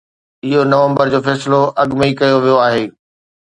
اهو نومبر جو فيصلو اڳ ۾ ئي ڪيو ويو آهي.